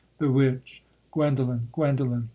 THE WITCH. _Gwendolen! Guendolen!